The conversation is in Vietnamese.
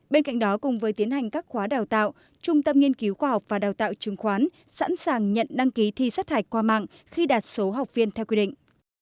bên cạnh đó cùng với tiến hành các khóa đào tạo trung tâm nghiên cứu khoa học và đào tạo chứng khoán sẵn sàng nhận đăng ký thi sát hạch qua mạng khi đạt số học viên theo quy định